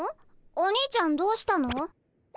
お兄ちゃんどうしたの？